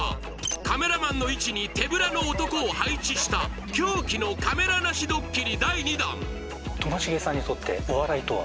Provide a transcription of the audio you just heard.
カメラマンの位置に手ぶらの男を配置した狂気のカメラなしドッキリ第２弾！ともしげさんにとってお笑いとは？